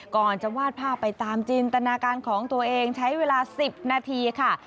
ก่อนจะวาดภาพไปตามจินตนาการของตัวเองใช้เวลา๑๐นาทีค่ะ